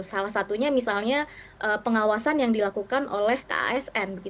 salah satunya misalnya pengawasan yang dilakukan oleh kasn